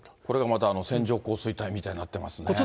これがまた線状降水帯みたいになってますね。